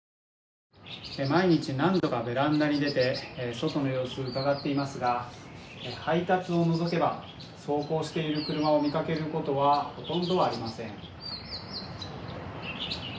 毎日何度かベランダに出て、外の様子をうかがっていますが、配達を除けば走行している車を見かけることはほとんどありません。